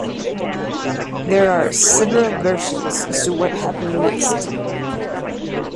There are several versions as to what happened next.